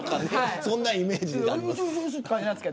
そんなイメージですよね。